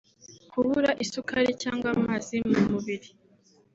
kubura isukari cyangwa amazi mu mubiri